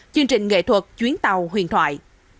chương trình nghệ thuật chuyến tàu huyền thoại